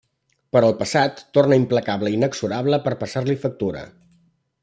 Però el passat torna implacable i inexorable per passar-li factura.